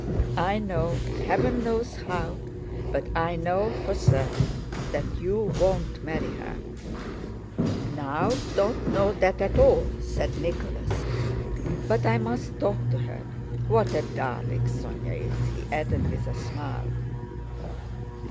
I know, heaven knows how, but I know for certain that you won't marry her." "Now you don't know that at all!" said Nicholas. "But I must talk to her. What a darling Sónya is!" he added with a smile.